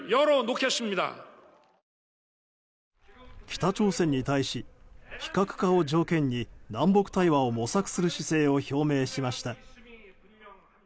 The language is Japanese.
北朝鮮に対し、非核化を条件に南北対話を模索する姿勢を表明しました。